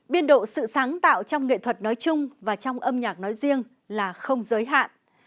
biên độ sự sáng tạo trong nghệ thuật nói chung và trong âm nhạc nói riêng là không giới hạn